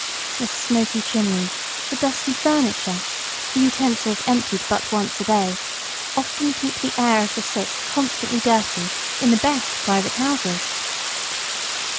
The smoky chimney, the dusty furniture, the utensils emptied but once a day, often keep the air of the sick constantly dirty in the best private houses.